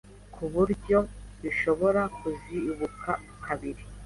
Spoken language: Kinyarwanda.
ku buryo bishobora kuzikuba kabiri.